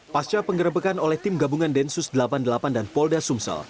pasca pengerebekan oleh tim gabungan densus delapan puluh delapan dan polda sumsel